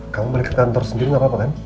kamu beli ke kantor sendiri gak apa apa kan